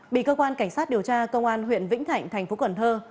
bị cơ quan cảnh sát điều tra công an huyện vĩnh thạnh thành phố cần thơ